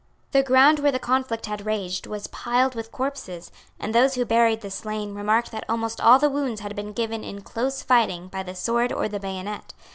The ground where the conflict had raged was piled with corpses; and those who buried the slain remarked that almost all the wounds had been given in close fighting by the sword or the bayonet.